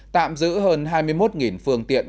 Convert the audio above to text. tạm giữ hơn hai mươi một phương tiện